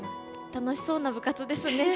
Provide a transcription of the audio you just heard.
楽しそうな部活ですね。